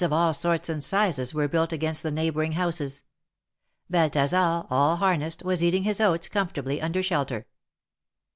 211 of all sorts and sizes were built against the neighboring houses. Balthasar, all harnessed, was eating his oats comfortably under shelter.